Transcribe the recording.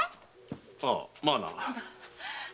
ああまあな。